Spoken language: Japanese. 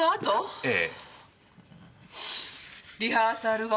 ええ。